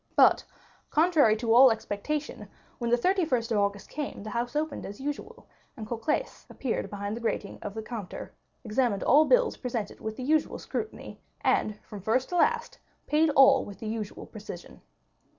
But, contrary to all expectation, when the 31st of August came, the house opened as usual, and Cocles appeared behind the grating of the counter, examined all bills presented with the usual scrutiny, and, from first to last, paid all with the usual precision.